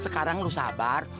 sekarang lu sabar